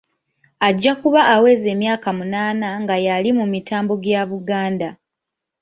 Ajja kuba aweza emyaka munaana nga y'ali mu mitambo gya Buganda.